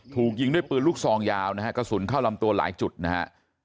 ถูกยิงด้วยปืนลูกซองยาวนะฮะกระสุนเข้าลำตัวหลายจุดนะฮะ